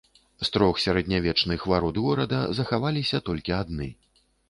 З трох сярэднявечных варот горада захаваліся толькі адны.